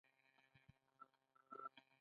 آیا که ګاونډی ارام وي ته ارام نه یې؟